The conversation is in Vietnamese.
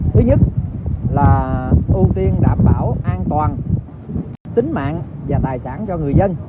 thứ nhất là ưu tiên đảm bảo an toàn tính mạng và tài sản cho người dân